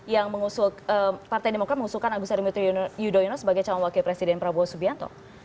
yang mengusul partai demokrat mengusulkan agus harimurti yudhoyono sebagai calon wakil presiden prabowo subianto